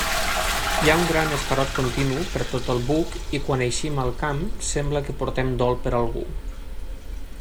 Hi ha un gran escarot continu per tot el buc i quan eixim al camp sembla que portem dol per algú.